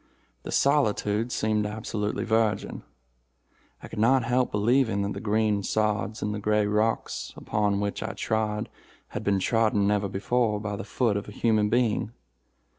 The solitude seemed absolutely virgin. I could not help believing that the green sods and the gray rocks upon which I trod had been trodden never before by the foot of a human being.